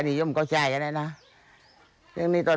เห็นภูมิปัญญาของคนสมัยก่อน